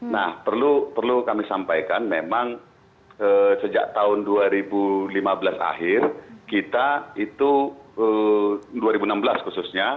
nah perlu kami sampaikan memang sejak tahun dua ribu lima belas akhir kita itu dua ribu enam belas khususnya